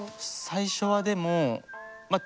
最初はでもへえ。